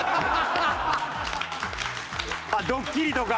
あっドッキリとか？